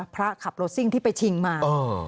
พระขับรถซิ่งที่ไปชิงมา